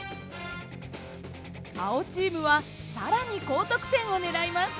青チームは更に高得点を狙います。